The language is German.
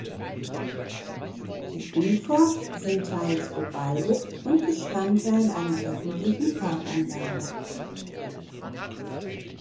Die Ufer sind teils bewaldet und Bestandteil einer öffentlichen Parkanlage.